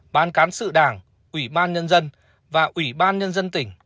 ban cán sự đảng ủy ban nhân dân và ủy ban nhân dân tỉnh